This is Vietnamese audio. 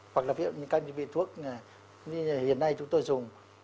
hoặc là ví dụ như các vị thuốc hiện nay chúng tôi dùng